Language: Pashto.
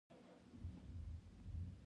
هلمند سیند د افغانستان د لویې زرغونتیا نښه ده.